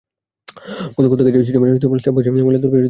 গতকাল দেখা যায়, সিমেন্টের স্লাব সরিয়ে ময়লা তুলে সড়কেই ফেলে রাখা হয়েছে।